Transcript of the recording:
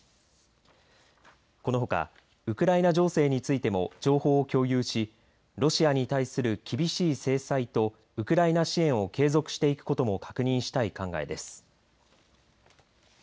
このほかウクライナ情勢についても情報を共有しロシアに対する厳しい制裁とウクライナ支援を継続していくことも確認したい考えです。